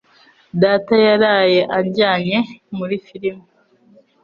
Data yaraye anjyanye muri firime.